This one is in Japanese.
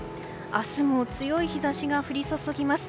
明日も強い日差しが降り注ぎます。